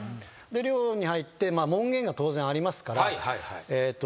寮に入って門限が当然ありますから。